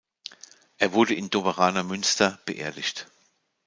Er wurde in Doberaner Münster beerdigt.